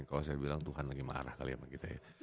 kalau saya bilang tuhan lagi marah kali sama kita ya